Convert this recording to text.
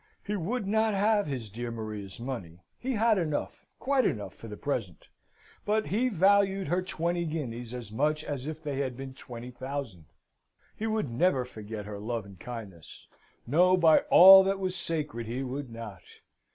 He would not have his dear Maria's money he had enough, quite enough for the present: but he valued her twenty guineas as much as if they had been twenty thousand. He would never forget her love and kindness: no, by all that was sacred he would not!